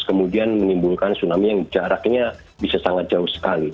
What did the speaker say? kemudian menimbulkan tsunami yang jaraknya bisa sangat jauh sekali